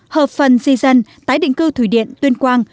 hợp phần di dân tái định cư thủy điện tuyên quang